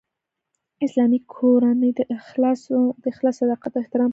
اسلامي کورنۍ د اخلاص، صداقت او احترام پر بنسټ ولاړه ده